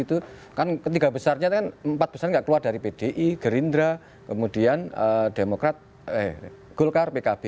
itu kan ketiga besarnya kan empat besar nggak keluar dari pdi gerindra kemudian demokrat eh golkar pkb